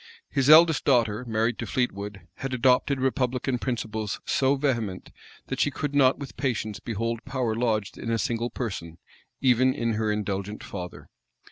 His eldest daughter, married to Fleetwood, had adopted republican principles so vehement, that she could not with patience behold power lodged in a single person, even in her indulgent father.